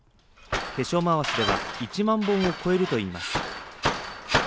化粧まわしでは１万本を超えるといいます。